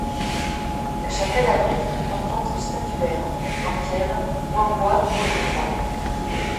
La chapelle abrite une importante statuaire en pierre ou en bois polychrome.